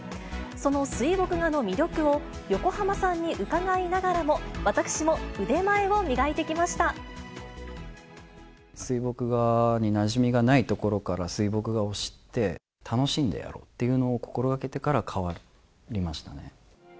その水墨画の魅力を、横浜さんに伺いながらも、水墨画になじみがないところから、水墨画を知って、楽しんでやろうっていうのを心がけてから変わりましたね。